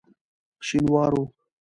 شینوارو.